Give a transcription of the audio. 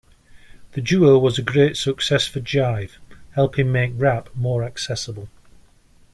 The duo was a great success for Jive, helping make rap more accessible.